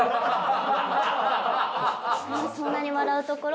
そんなに笑うところ？